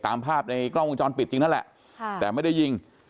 ตามภาพในกล้องวงจรปิดจริงนั่นแหละแต่ไม่ได้ยิง